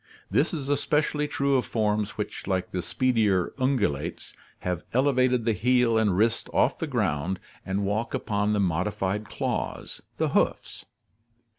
This is especially true of forms which, like the speedier ungulates, have elevated the heel and wrist off the ground and walk upon the modi fied claws, the hoofs.